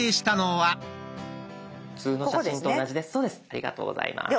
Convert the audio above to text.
ありがとうございます。